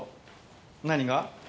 何が？